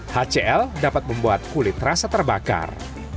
hcl dapat membuat kulit rasa terbakar